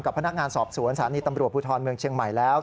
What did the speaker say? พนักงานสอบสวนสถานีตำรวจภูทรเมืองเชียงใหม่แล้ว